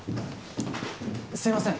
すいません